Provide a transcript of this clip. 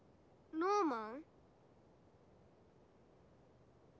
ノーマン！